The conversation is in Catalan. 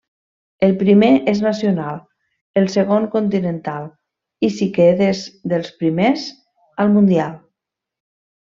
El primer és nacional, el segon continental i si quedes dels primers, al mundial.